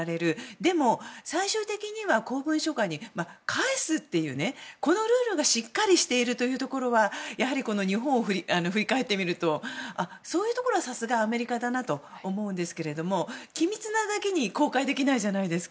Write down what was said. でも、最終的には公文書館に返すっていうルールがしっかりしているということはやはり日本を振り返ってみるとそういうところはさすがアメリカだなと思いますが機密なだけに公開できないじゃないですか。